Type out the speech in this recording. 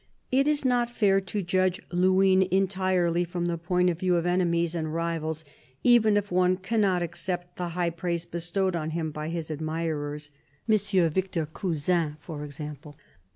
It is not fair to judge Luynes entirely from the point of view of enemies and rivals, even if one cannot accept the high praise bestowed on him by his admirers — M. Victor Cousin for example.